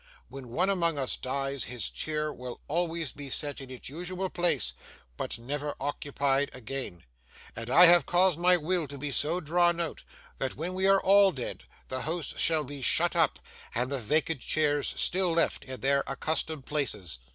When one among us dies, his chair will always be set in its usual place, but never occupied again; and I have caused my will to be so drawn out, that when we are all dead the house shall be shut up, and the vacant chairs still left in their accustomed places.